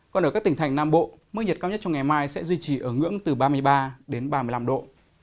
còn ở các tỉnh thành nam bộ mức nhiệt cao nhất trong ngày mai sẽ duy trì ở ngưỡng từ ba mươi ba đến ba mươi năm độ